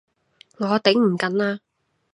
我頂唔緊喇！